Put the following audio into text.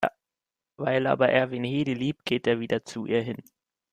Weil aber Erwin Hedy liebt, geht er wieder zu ihr hin.